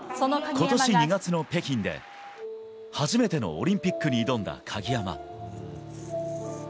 ことし２月の北京で、初めてのオリンピックに挑んだ鍵山。